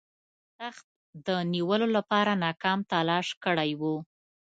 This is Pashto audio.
تخت د نیولو لپاره ناکام تلاښ کړی وو.